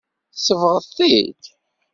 Tsebɣeḍ-t-id.